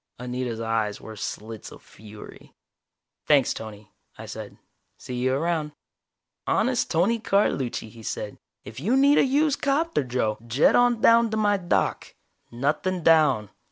Anita's eyes were slits of fury. "Thanks, Tony," I said. "See you around." "Honest Tony Carlucci," he said. "If you need a used 'copter, Joe, jet on down to my dock. Nothing down.